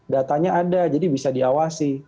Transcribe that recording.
datanya ada jadi bisa diawasi